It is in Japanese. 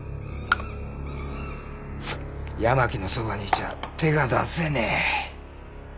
八巻のそばにいちゃ手が出せねえ。